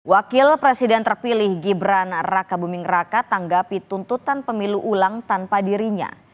wakil presiden terpilih gibran raka buming raka tanggapi tuntutan pemilu ulang tanpa dirinya